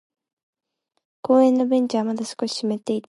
公園のベンチはまだ少し湿っていた。